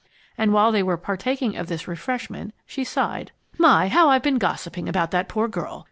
And while they were partaking of this refreshment she sighed: "My, how I have been gossiping about that poor girl!